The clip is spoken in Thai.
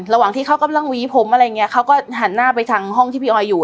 ระหว่างที่เขากำลังหวีผมอะไรอย่างเงี้เขาก็หันหน้าไปทางห้องที่พี่ออยอยู่